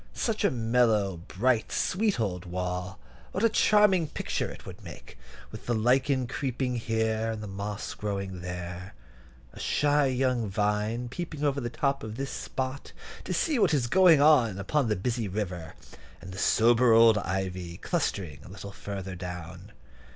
Such a mellow, bright, sweet old wall; what a charming picture it would make, with the lichen creeping here, and the moss growing there, a shy young vine peeping over the top at this spot, to see what is going on upon the busy river, and the sober old ivy clustering a little farther down!